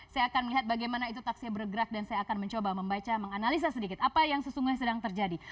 saya akan melihat bagaimana itu taksi bergerak dan saya akan mencoba membaca menganalisa sedikit apa yang sesungguhnya sedang terjadi